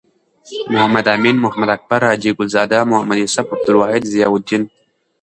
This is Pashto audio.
محمد امین.محمد اکبر.حاجی ګل زاده. محمد یوسف.عبدالواحد.ضیاالدین